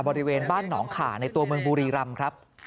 บริเวณบ้านหนองขาในตัวเมืองบุรีรำครับ